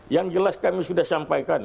yang jelas kami sudah sampaikan